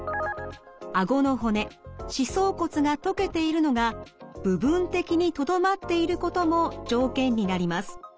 あごの骨歯槽骨が溶けているのが部分的にとどまっていることも条件になります。